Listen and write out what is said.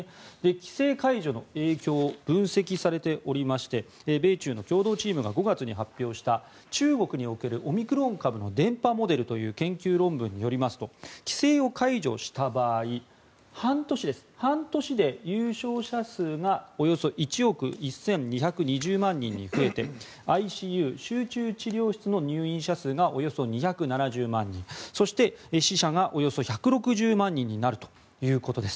規制解除の影響分析されておりまして米中の共同チームが５月に発表した中国におけるオミクロン株の伝播モデルという研究論文によりますと規制を解除した場合半年で有症者数がおよそ１億１２２０万人に増えてＩＣＵ・集中治療室の入院者数がおよそ２７０万人そして死者がおよそ１６０万人になるということです。